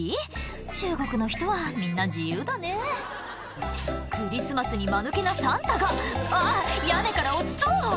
中国の人はみんな自由だねクリスマスにマヌケなサンタがあぁ屋根から落ちそう！